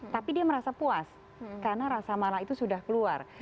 tapi dia merasa puas karena rasa marah itu sudah keluar